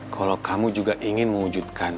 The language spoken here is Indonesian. kalau kamu juga ingin mewujudkan